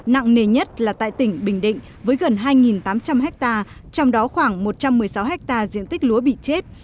nặng nề nhất là tại tỉnh bình định với gần hai tám trăm linh hectare trong đó khoảng một trăm một mươi sáu hectare diện tích lúa bị chết